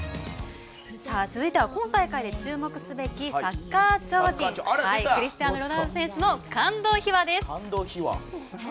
続いては今大会で注目すべきサッカー超人クリスティアーノ・ロナウド選手の感動秘話です。